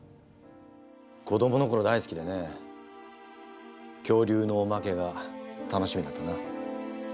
子どもの頃大好きでね恐竜のおまけが楽しみだったな。